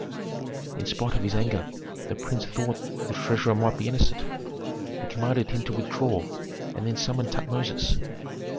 In spite of his anger the prince thought that the treasurer might be innocent. He commanded him to withdraw, and then summoned Tutmosis.